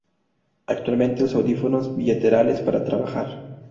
Actualmente usa audífonos bilaterales para trabajar.